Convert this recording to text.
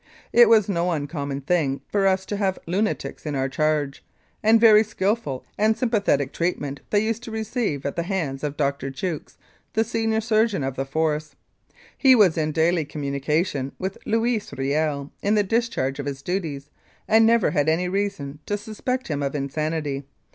It was no uncommon thing for us to have lunatics in our charge, and very skilful and sympathetic treatment they used to receive at the hands of Dr. Jukes, the Senior Surgeon of the Force. He was in daily communication with Louis Riel in the discharge of his duties, and never had any reason to suspect him of insanity.